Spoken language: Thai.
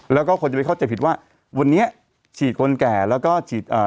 แล้วก็คนจะไปเข้าใจผิดว่าวันนี้ฉีดคนแก่แล้วก็ฉีดอ่า